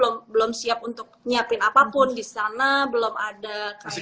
karena masih ya namanya rumah sakit yang baru ditunjukkan itu dua hari kan